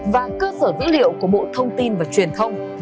và cơ sở dữ liệu của bộ thông tin và truyền thông